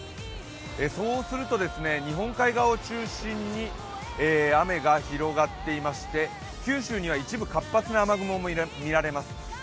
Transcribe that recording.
そうすると、日本海側を中心に雨が広がっていまして九州には一部活発な雨雲も見られます。